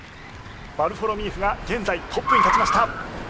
ヴァルフォロミーフが現在トップに立ちました。